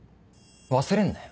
忘れんなよ。